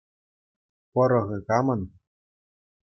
Пӑрӑхӗ камӑн?